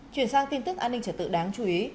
chuyển sang tin tức an ninh trở tự đáng chú ý